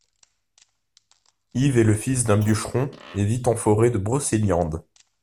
Yves est le fils d'un bûcheron et vit en forêt de Brocéliande.